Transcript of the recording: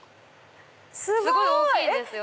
すごい大きいんですよ